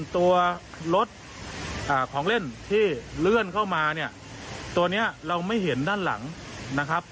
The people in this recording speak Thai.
ตัวนี้เราไม่เห็นด้านหลังนะครับ